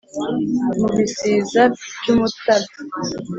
mu bisiza by'umutara